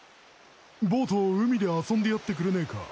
ボーと海で遊んでやってくれねえか？